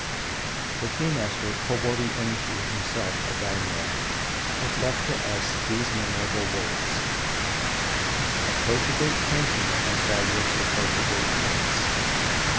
The tea master, Kobori Enshiu, himself a daimyo, has left to us these memorable words: "Approach a great painting as thou wouldst approach a great prince."